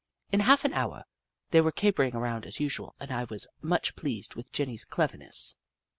In half an hour, they were capering around as usual, and I was much pleased with Jenny's cleverness.